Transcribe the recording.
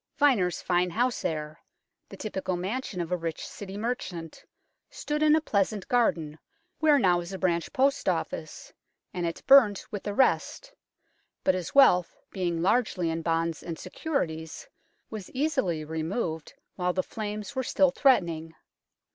Vyner's fine house there, the typical mansion of LONDON'S LOST KING 171 a rich City merchant, stood in a pleasant garden, where now is a branch Post Office, and it burnt with the rest, but his wealth, being largely in bonds and securities, was easily removed while the flames were still threatening.